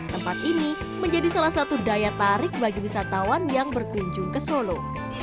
tempat ini menjadi salah satu daya tarik bagi wisatawan yang berkunjung ke solo